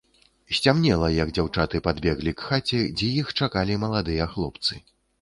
Сцямнела, як дзяўчаты падбеглі к хаце, дзе іх чакалі маладыя хлопцы.